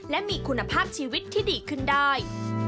และมีคุณภาพชีวิตที่ดีขึ้นได้